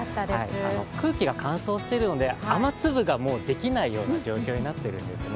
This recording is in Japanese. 空気が乾燥しているので、雨粒ができない状況になっているんですね。